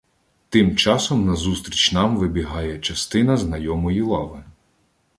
Тим часом назустріч нам вибігає частина "знайомої" лави.